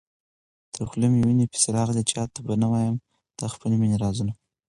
تر خولې مي وېني پسي راغلې، چاته به نه وايم د خپل مېني رازونه